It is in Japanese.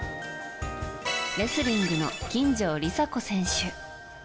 レスリングの金城梨紗子選手。